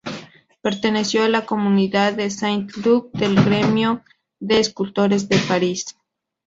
Perteneció a la comunidad de Saint Luc, del gremio de escultores de París.